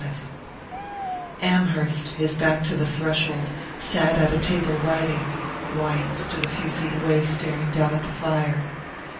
XXXV AMHERST, his back to the threshold, sat at a table writing: Wyant stood a few feet away, staring down at the fire.